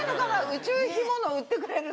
宇宙干物を売ってくれる所。